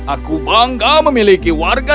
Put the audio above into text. aku bangga memiliki warga